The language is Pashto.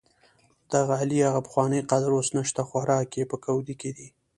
دعلي هغه پخوانی قدر اوس نشته، خوراک یې په کودي کې دی.